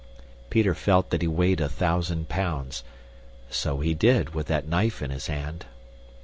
Peter felt that he weighed a thousand pounds. So he did, with that knife in his hand.